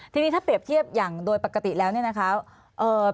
ทีนี้ถ้าเปรียบเทียบอย่างโดยปกติแล้วเนี่ยนะคะ